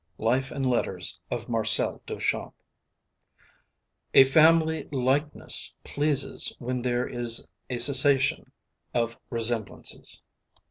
LIFE AND LETTERS OF MARCEL DUCHAMP A family likeness pleases when there is a cessation of resemblances.